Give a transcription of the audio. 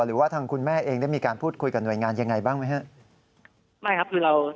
หรือว่าทางคุณแม่เองได้มีการพูดคุยกับหน่วยงานยังไงบ้างไหมครับ